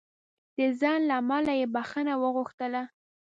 د ځنډ له امله یې بخښنه وغوښتله.